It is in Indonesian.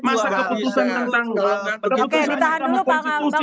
masa keputusan tentang keputusan yang kamu konstitusi